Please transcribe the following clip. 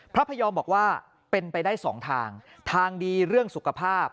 พยอมบอกว่าเป็นไปได้สองทางทางดีเรื่องสุขภาพ